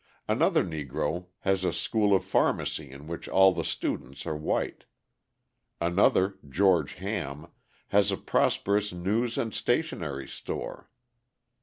Another Negro has a school of pharmacy in which all the students are white; another, George Hamm, has a prosperous news and stationery store.